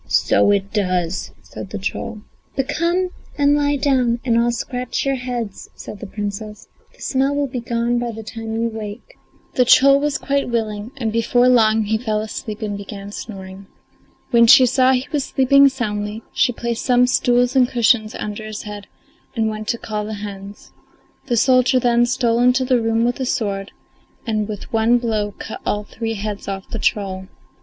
"So it does," said the troll. "But come and lie down and I'll scratch your heads," said the Princess; "the smell will be gone by the time you wake." [Illustration: The Troll was quite willing, and before long he fell asleep and began snoring.] The troll was quite willing, and before long he fell asleep and began snoring. When she saw he was sleeping soundly, she placed some stools and cushions under his heads and went to call the hens. The soldier then stole into the room with the sword, and with one blow cut all the three heads off the troll.